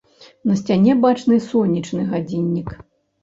На сцяне бачны сонечны гадзіннік.